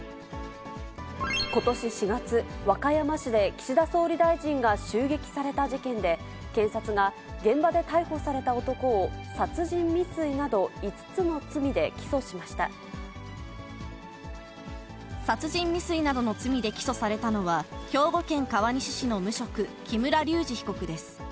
ことし４月、和歌山市で岸田総理大臣が襲撃された事件で、検察が現場で逮捕された男を殺人未遂など、５つの罪で起訴しまし殺人未遂などの罪で起訴されたのは、兵庫県川西市の無職、木村隆二被告です。